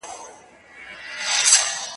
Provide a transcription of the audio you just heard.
يا غوا غيي، يا غړکي څيري.